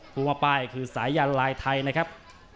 กูมาปลายคือสายยานลายไทยนะครับ